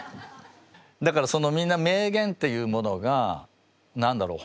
だからそのみんな名言っていうものが何だろう